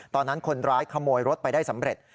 ตอนนั้นคนร้ายขโมยรถไปได้สำเร็จ